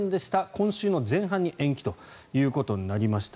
今週の前半に延期ということになりました。